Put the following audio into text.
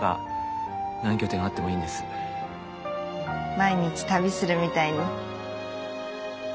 毎日旅するみたいに。